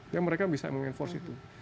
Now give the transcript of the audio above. ya mereka bisa mengenforce itu